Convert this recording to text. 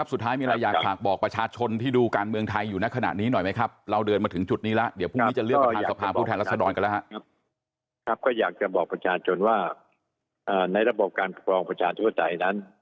สุดท้ายอยากบอกประชาชนในระบบการปกป้องประชาชั่วใจ